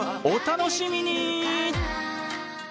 お楽しみに！